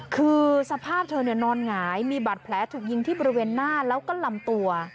คือสภาพเธอนอนหงายมีบาดแผลถูกยิงที่บริเวณหน้าแล้วก็ลำตัว